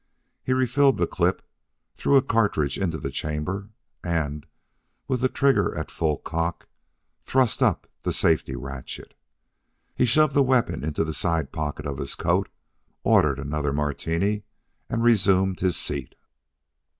He refilled the clip, threw a cartridge into the chamber, and, with the trigger at full cock, thrust up the safety ratchet. He shoved the weapon into the side pocket of his coat, ordered another Martini, and resumed his seat.